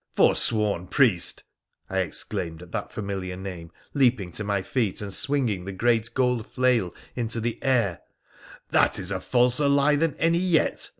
' Forsworn priest !' I exclaimed at that familiar name, leaping to my feet and swinging the great gold flail into the air, ' that is a falser lie than any yet.